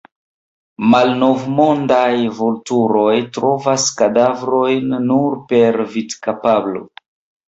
Malnovmondaj vulturoj trovas kadavraĵojn nur per vidkapablo.